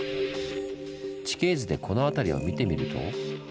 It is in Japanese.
地形図でこの辺りを見てみると。